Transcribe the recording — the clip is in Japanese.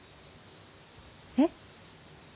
えっ？